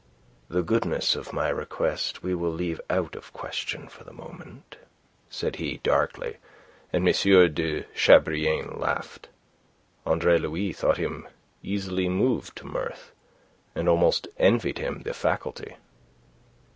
"The goodness of my request we will leave out of question for the moment," said he, darkly, and M. de Chabrillane laughed. Andre Louis thought him easily moved to mirth, and almost envied him the faculty.